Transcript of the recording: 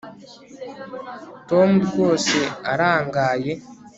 tom rwose arangaye